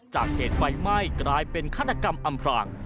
จากเหตุไฟไหม้กลายเป็นฆาตกรรมอำพราง